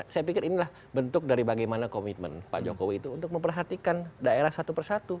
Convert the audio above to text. saya pikir inilah bentuk dari bagaimana komitmen pak jokowi itu untuk memperhatikan daerah satu persatu